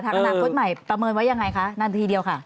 ทางกระหนักพฤษภาคมใหม่ประเมินไว้อย่างไรคะนานทีเดียวค่ะ